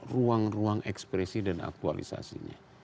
ruang ruang ekspresi dan aktualisasinya